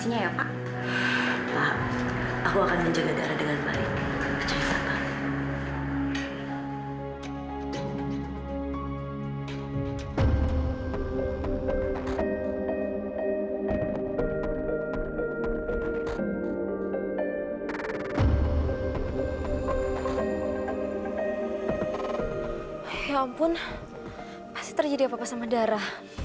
ya ampun pasti terjadi apa apa sama dara